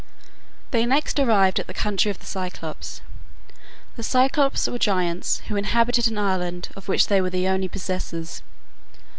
"] They next arrived at the country of the Cyclopes. The Cyclopes were giants, who inhabited an island of which they were the only possessors.